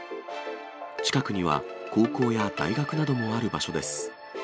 近くには高校や大学などもある場所です。